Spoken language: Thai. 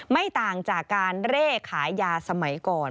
ไม่ต่างจากการเร่ขายยาสมัยก่อน